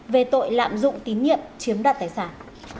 và các đối tượng chiếm đoạt tài sản